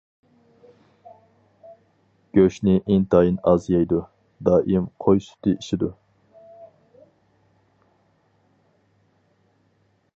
گۆشنى ئىنتايىن ئاز يەيدۇ. دائىم قوي سۈتى ئىچىدۇ.